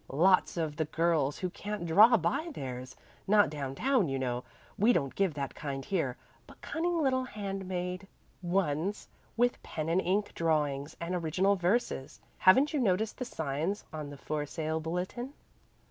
"Lots of the girls who can't draw buy theirs, not down town, you know we don't give that kind here, but cunning little hand made ones with pen and ink drawings and original verses. Haven't you noticed the signs on the 'For Sale' bulletin?"